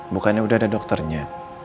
bukannya udah ada dokternya